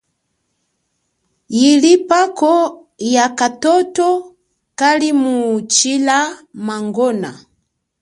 Yili phako yakathotho kalimutshila mangona.